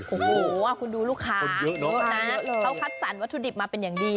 โอ้โหคุณดูลูกค้านะเขาคัดสรรวัตถุดิบมาเป็นอย่างดี